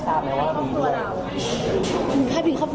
ถ้าเพียงครอบครัวเรา